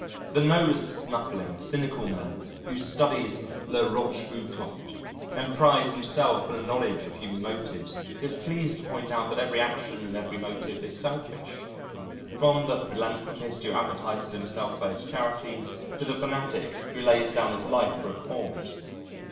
The nose snuffling, cynical man who studies La Rochefoucauld, and prides himself on a knowledge of human motives, is pleased to point out that every action and every motive is selfish, from the philanthropist who advertises himself by his charities to the fanatic who lays down his life for a cause.